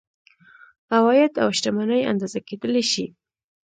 عواید او شتمني اندازه کیدلی شي.